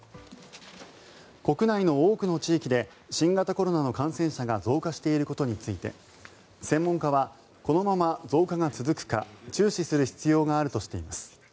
国内の多くの地域で新型コロナの感染者が増加していることについて専門家はこのまま増加が続くか注視する必要があるとしています。